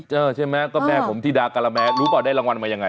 ใช่ไหมก็แม่ผมธิดาการาแมรู้เปล่าได้รางวัลมายังไง